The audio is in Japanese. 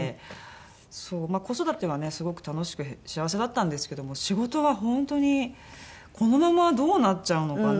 そう子育てはねすごく楽しく幸せだったんですけども仕事は本当にこのままどうなっちゃうのかな？